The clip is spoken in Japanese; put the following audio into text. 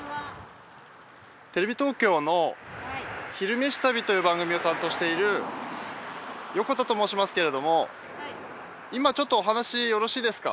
テレビ東京の「昼めし旅」という番組を担当している横田と申しますけれども今ちょっとお話よろしいですか？